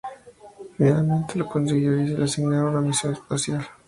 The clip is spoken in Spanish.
Finalmente lo consiguió y le asignaron una misión espacial.